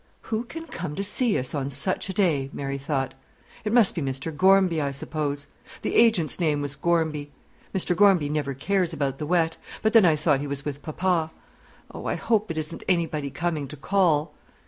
"Who can come to see us on such a day?" Mary thought. "It must be Mr. Gormby, I suppose;" the agent's name was Gormby. "Mr. Gormby never cares about the wet; but then I thought he was with papa. Oh, I hope it isn't anybody coming to call."